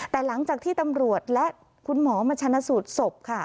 แต่หลังจากที่ตำรวจและคุณหมอมาชนะสูตรศพค่ะ